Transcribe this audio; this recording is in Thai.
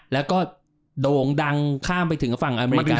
แล้วก็โด่งดังข้ามไปถึงฝั่งอเมริกา